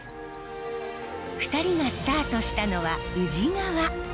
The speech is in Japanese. ２人がスタートしたのは宇治川。